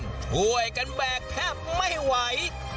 ช่วยกันแบกแทบไม่ไหว